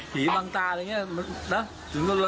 ผีบางตาอะไรอย่างนี้